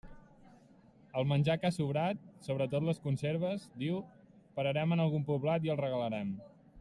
El menjar que ha sobrat, sobretot les conserves, diu, pararem en algun poblat i el regalarem.